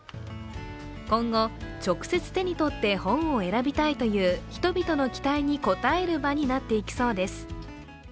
今後、直接手に取って本を選びたいという人々の期待に応える場になっていきそうです。